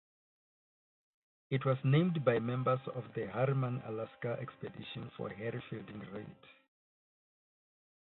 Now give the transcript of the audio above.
It was named by members of the Harriman Alaska Expedition for Harry Fielding Reid.